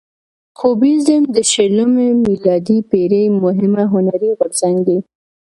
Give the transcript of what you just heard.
کوبیزم د شلمې میلادي پیړۍ مهم هنري غورځنګ دی.